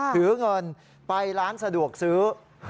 ถือเงินไปร้านสะดวกซื้อ